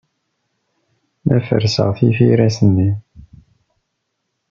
La ferrseɣ tifiras-nni.